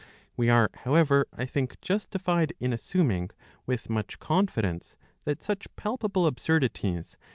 We are, however, I think, justified in assuming with i much confidence that such palpable absurdi^ties.